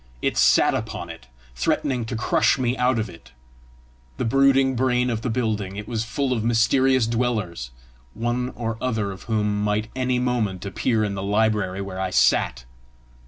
It sat upon it, threatening to crush me out of it! The brooding brain of the building, it was full of mysterious dwellers, one or other of whom might any moment appear in the library where I sat!